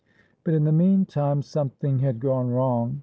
But in the mean time something had gone wrong.